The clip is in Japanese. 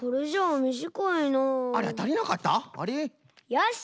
よし！